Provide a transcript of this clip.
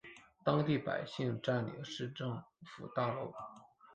当地百姓占领市政府大楼。